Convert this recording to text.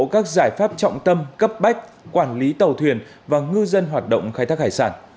các giải pháp trọng tâm cấp bách quản lý tàu thuyền và ngư dân hoạt động khai thác hải sản